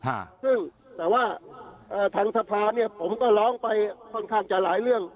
ค่ะซึ่งแต่ว่าเอ่อทางสภาเนี้ยผมก็ร้องไปค่อนข้างจะหลายเรื่อง